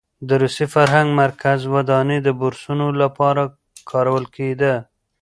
د روسي فرهنګي مرکز ودانۍ د بورسونو لپاره کارول کېده.